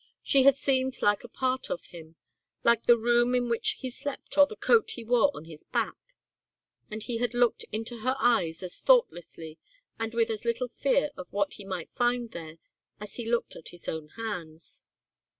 She had seemed like a part of him, like the room in which he slept or the coat he wore on his back, and he had looked into her eyes as thoughtlessly and with as little fear of what he might find there as he looked at his own hands.